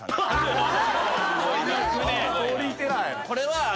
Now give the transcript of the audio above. これは。